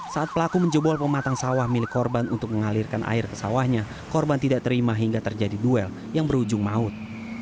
saat pelaku menjebol pematang sawah milik korban untuk mengalirkan air ke sawahnya korban tidak terima hingga terjadi duel yang berujung maut